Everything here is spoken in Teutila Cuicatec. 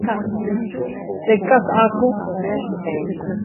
Tikas aku.